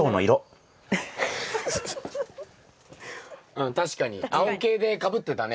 うん確かに青系でかぶってたね。